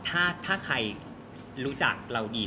ถ้าใครรู้จักเราดี